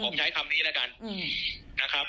ผมใช้คำนี้แล้วกัน